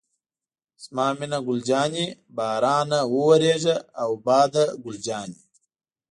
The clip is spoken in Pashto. زما مینه ګل جانې، بارانه وورېږه او باده ګل جانې.